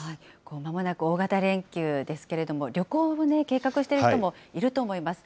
まもなく大型連休ですけれども、旅行を計画している人もいると思います。